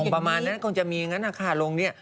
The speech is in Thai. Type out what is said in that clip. ประมาณนั้นคงจะมีอย่างนั้นค่าลงเนี่ย